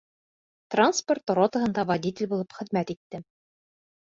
Транспорт ротаһында водитель булып хеҙмәт иттем.